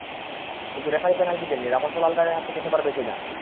কিন্তু referee penalty দেননি, রামোসও লাল কার্ডের হাত থেকে সেবার বেঁচে যান।